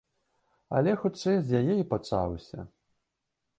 Але, хутчэй, з яе і пачаўся.